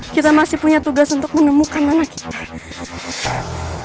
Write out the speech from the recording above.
kita masih punya tugas untuk menemukan anak kita